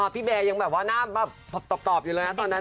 พี่เบย์ยังแบบว่าหน้าแบบตอบอยู่เลยนะตอนนั้น